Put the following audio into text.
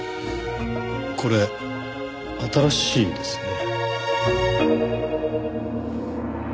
これ新しいですね。